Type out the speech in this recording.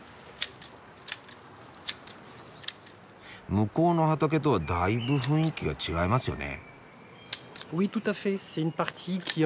向こうの畑とはだいぶ雰囲気が違いますよね。